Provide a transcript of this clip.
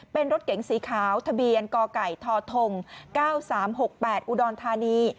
เป็นรถเก๋งสีขาวทะเบียนกไก่ทท๙๓๖๘อุดรธานี